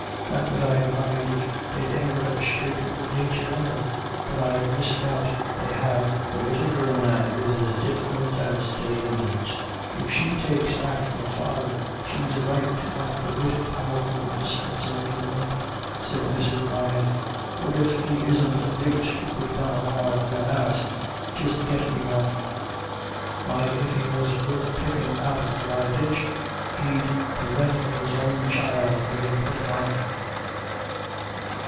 Not that I'd mind if they'd e'er a sthrake of good nature in them ; but I misdoubt they have. The little girl, now, is as diff'rint as day and night.' 1 " If she takes after her father, she's a right to want the wit powerful, misfortnit little imp," said Mrs. Brian ;" for if he isn't a great stupid gomeral and an ass, just get me one. Why, if he was worth pickin' out of a dry ditch, he'd purvint of his own child bein' put upon."